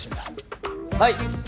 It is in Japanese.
はい。